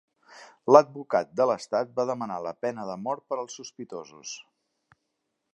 L'advocat de l'estat va demanar la pena de mort per als sospitosos.